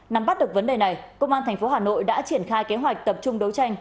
nắm bắt được vấn đề này công an tp hà nội đã triển khai kế hoạch tập trung đấu tranh